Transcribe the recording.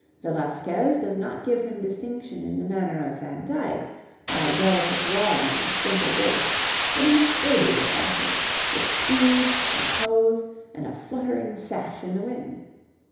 Velasquez does not give him distinction in the manner of Van Dyck, by delicate drawing and gentle grace, but in a sturdier fashion, with speed and pose and a fluttering sash in the wind.